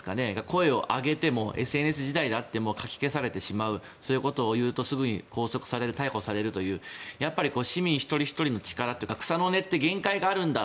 声を上げてもＳＮＳ時代であってもかき消されてしまうそういうことを言うとすぐに拘束される逮捕されるという市民一人ひとりの力というか草の根って限界があるんだ。